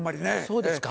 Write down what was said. そうですか？